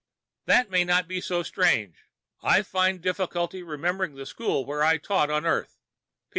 "That may not be so strange. I find difficulty remembering the school where I taught on Earth.